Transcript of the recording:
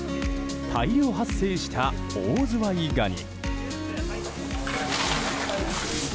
大量発生したオオズワイガニ。